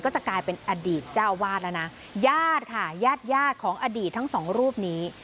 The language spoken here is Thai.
จะกลายเป็นอดีตเจ้าวาดแล้วนะญาติค่ะญาติญาติของอดีตทั้งสองรูปนี้